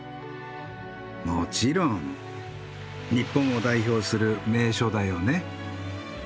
もちろん日本を代表する名所だよね。